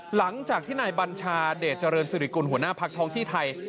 หลังจากที่นายบัญชาเดชเจริญสิริกุลหัวหน้าพักท้องที่ไทย